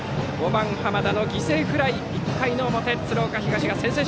５番、濱田の犠牲フライで１回表、鶴岡東が先制。